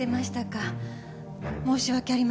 申し訳ありません。